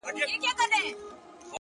هغوو ته ځکه تر لیلامه پوري پاته نه سوم؛